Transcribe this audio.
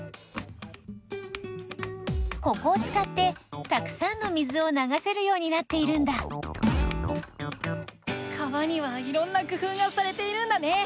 ここをつかってたくさんの水をながせるようになっているんだ川にはいろんな工夫がされているんだね。